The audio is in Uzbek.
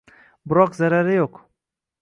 biroq zarari yo‘q.